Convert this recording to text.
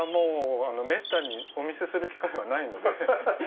めったにお見せする機会はないので。